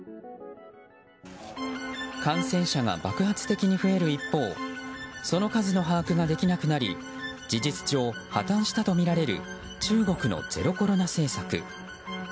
感染者が爆発的に増える一方その数の把握ができなくなり事実上、破綻したとみられる中国のゼロコロナ政策。